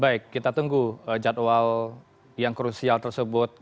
baik kita tunggu jadwal yang krusial tersebut